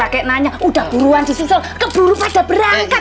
mas paket nanya udah buruan disusul keburu pada berangkat